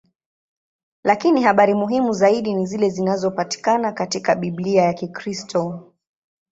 Lakini habari muhimu zaidi ni zile zinazopatikana katika Biblia ya Kikristo.